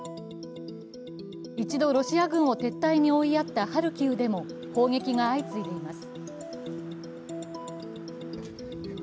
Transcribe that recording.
一度、ロシア軍を撤退に追いやったハルキウでも砲撃が相次いでいます。